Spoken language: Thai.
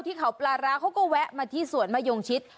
ที่เขาปลาร้าเขาก็แวะมาที่สวนมะยงชิด